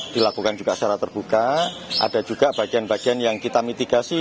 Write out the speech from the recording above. dilakukan juga secara terbuka ada juga bagian bagian yang kita mitigasi